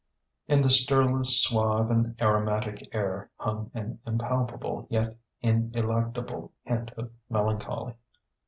In the stirless, suave, and aromatic air hung an impalpable yet ineluctable hint of melancholy....